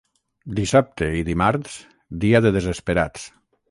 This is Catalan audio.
Dissabte i dimarts, dia de desesperats.